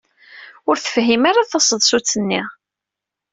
Ur tefhim ara taseḍsut-nni.